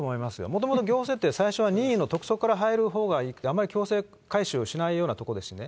もともと行政って、最初は任意の督促から入るほうがいい、あまり強制回収をしないようなところですよね。